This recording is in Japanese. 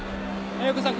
英子さん